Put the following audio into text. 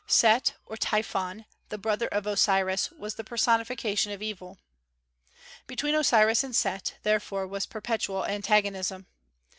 Set, or Typhon, the brother of Osiris, was the personification of evil. Between Osiris and Set, therefore, was perpetual antagonism.